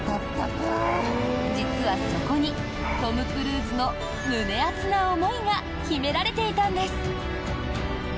実はそこにトム・クルーズの胸熱な思いが秘められていたんです！